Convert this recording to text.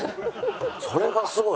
それがすごい。